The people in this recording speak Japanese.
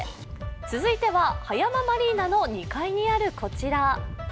続いては葉山マリーナの２階にあるこちら。